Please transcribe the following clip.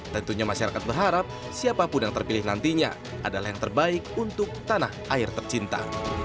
tentunya masyarakat berharap siapapun yang terpilih nantinya adalah yang terbaik untuk tanah air tercinta